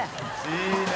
いいね。